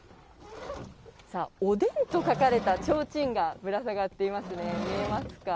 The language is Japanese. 「おでん」と書かれたちょうちんがぶら下がっていますね。